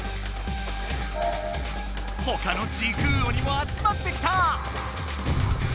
ほかの時空鬼もあつまってきた。